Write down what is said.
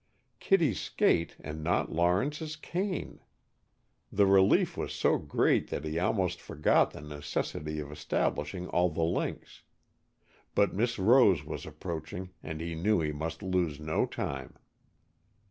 Kitty's skate and not Lawrence's cane! The relief was so great that he almost forgot the necessity of establishing all the links. But Miss Rose was approaching, and he knew he must lose no time.